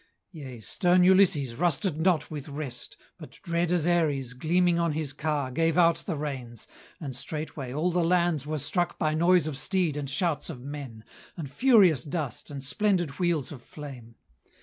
Yea, stern Ulysses, rusted not with rest, But dread as Ares, gleaming on his car Gave out the reins; and straightway all the lands Were struck by noise of steed and shouts of men, And furious dust, and splendid wheels of flame.